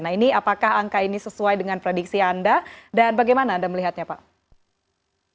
nah ini apakah angka ini sesuai dengan prediksi anda dan bagaimana anda melihatnya pak